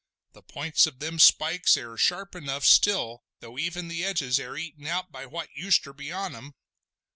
The points of them spikes air sharp enough still, though even the edges air eaten out by what uster be on them.